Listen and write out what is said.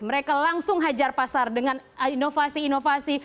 mereka langsung hajar pasar dengan inovasi inovasi